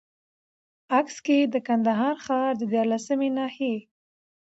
نوټ: عکس کي د کندهار ښار د ديارلسمي ناحيې